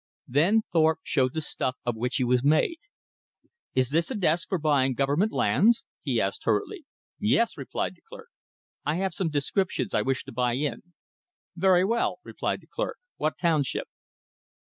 Then Thorpe showed the stuff of which he was made. "Is this the desk for buying Government lands?" he asked hurriedly. "Yes," replied the clerk. "I have some descriptions I wish to buy in." "Very well," replied the clerk, "what township?"